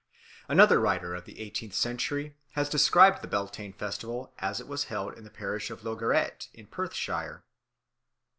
Another writer of the eighteenth century has described the Beltane festival as it was held in the parish of Logierait in Perthshire.